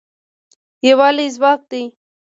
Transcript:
یووالی ځواک دی